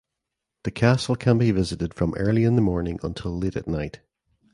The castle can be visited from early in the morning until late at night.